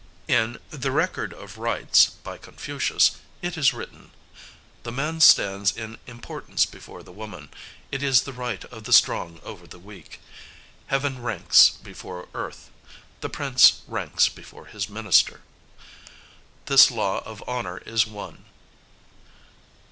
In the "Record of Rites," by Confucius, it is written, "The man stands in importance before the woman: it is the right of the strong over the weak. Heaven ranks before earth; the prince ranks before his minister. This law of honour is one."